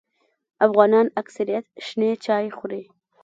افغانان اکثریت شنې چای خوري